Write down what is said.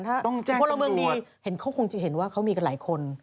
ถ้าพลเมืองดีเห็นเขาคงจะเห็นว่าเขามีกันหลายคน